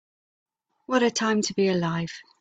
What a time to be alive.